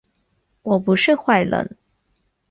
我不是坏人